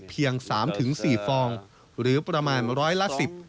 เพียง๓๔ฟองหรือประมาณร้อยละ๑๐